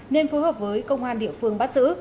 nên phối hợp với công an địa phương bắt giữ